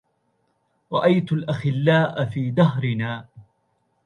رأيت الأخلاء في دهرنا